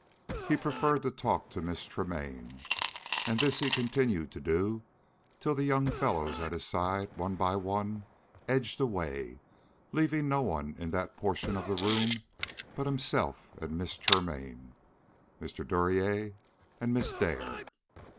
He preferred to talk to Miss Tremaine, and this he continued to do till the young fellows at his side, one by one, edged away, leaving no one in that portion of the room but himself and Miss Tremaine, Mr. Duryea and Miss Dare.